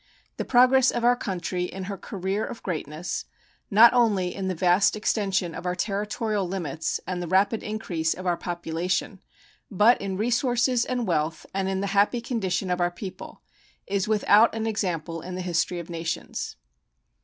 The progress of our country in her career of greatness, not only in the vast extension of our territorial limits and the rapid increase of our population, but in resources and wealth and in the happy condition of our people, is without an example in the history of nations.